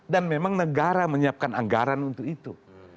dan memang negara menyiapkan anggaran untuk itu